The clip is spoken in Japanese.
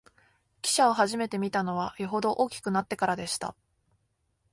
汽車をはじめて見たのは、よほど大きくなってからでした